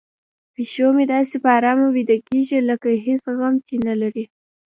پیشو مې داسې په ارامه ویده کیږي لکه هیڅ غم چې نه لري.